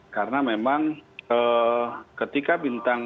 karena memang ketika bintang